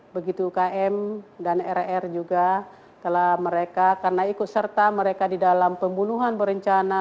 begitu km dan rr juga telah mereka karena ikut serta mereka di dalam pembunuhan berencana